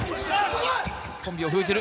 コンビを封じる。